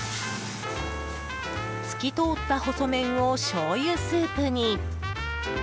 透き通った細麺をしょうゆスープに。